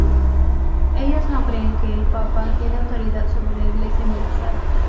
Ellos no creen que el Papa tiene autoridad sobre la Iglesia universal.